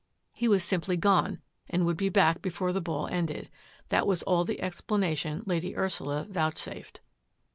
He was simply gone, and would be back before the ball ended; that was all the explanation Lady Ursula vouch safed.